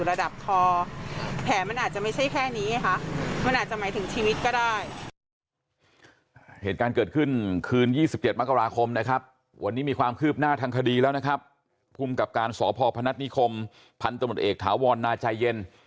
ลืมหน้าทางคดีแล้วนะครับภูมิกับการศพนนิคมพันธุ์ตมเอกถาวรนาใจเย็น